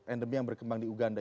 endemi yang berkembang di uganda